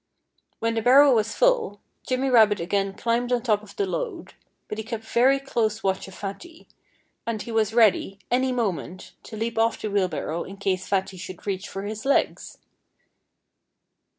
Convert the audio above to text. When the barrow was full, Jimmy Rabbit again climbed on top of the load. But he kept very close watch of Fatty. And he was ready, any moment, to leap off the wheelbarrow in case Fatty should reach for his legs.